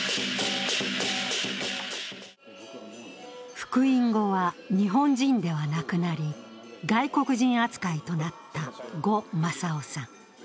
復員後は日本人ではなくなり、外国人扱いとなった呉正男さん。